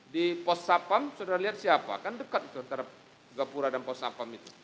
di pos sapam saudara lihat siapa kan dekat itu antara gapura dan pos sapam itu